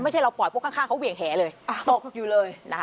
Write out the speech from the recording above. ไม่ใช่เราปล่อยพวกข้างเขาเหวี่ยงแหเลยตกอยู่เลยนะคะ